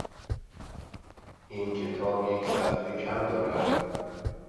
این کتاب یک صفحه کم دارد.